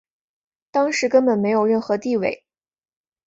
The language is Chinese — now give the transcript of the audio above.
当时根本没有任何地位。